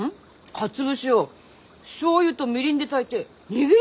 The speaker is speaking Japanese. かつ節をしょうゆとみりんで炊いて握り込んでるよ！